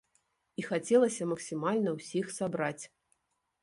І хацелася максімальна ўсіх сабраць.